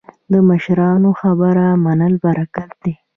د مشرانو خبره منل برکت دی